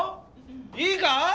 いいか！？